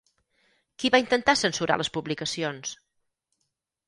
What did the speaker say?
Qui va intentar censurar les publicacions?